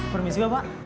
permisi ya bapak